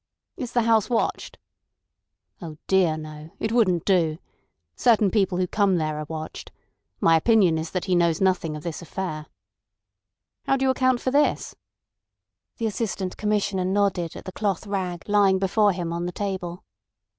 "Is the house watched?" "Oh dear, no. It wouldn't do. Certain people who come there are watched. My opinion is that he knows nothing of this affair." "How do you account for this?" The Assistant Commissioner nodded at the cloth rag lying before him on the table.